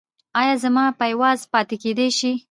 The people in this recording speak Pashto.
ایا زما پایواز پاتې کیدی شي؟